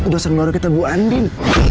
udah selalu ngeluar kita bu andin